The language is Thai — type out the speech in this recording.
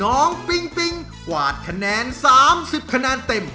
ปิ๊งปิ๊งกวาดคะแนน๓๐คะแนนเต็ม